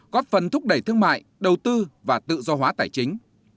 góp phần thúc đẩy thương mại đầu tư và tự do hóa tài chính